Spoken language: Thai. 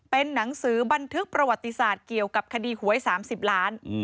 เป็นหนังสือบันทึกประวัติศาสตร์เกี่ยวกับคดีหวย๓๐ล้าน